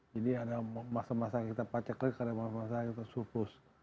jadi ada masa masa kita pacaklik ada masa masa kita surplus